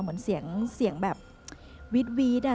เหมือนเสียงแบบวิดอ่ะ